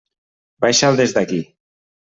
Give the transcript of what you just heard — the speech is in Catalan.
Baixa'l des d'aquí.